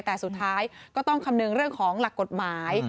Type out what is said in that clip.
แต่สุดท้ายก็ต้องคำนึงเรื่องของหลักกฎหมาย